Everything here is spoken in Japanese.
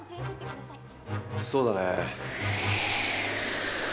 そうだね。